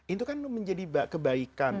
itu kan menjadi kebaikan